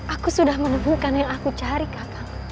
aku sudah menemukan yang aku cari kakak